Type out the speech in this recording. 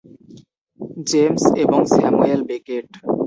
James এবং Samuel Beckett.